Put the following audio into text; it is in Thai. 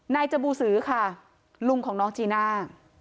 จบูสือค่ะลุงของน้องจีน่า